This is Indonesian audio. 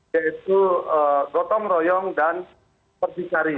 yaitu gotong royong dan persikari